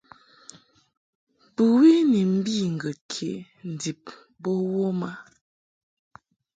Bɨwi ni mbi ŋgəd ke ndib bo wom a.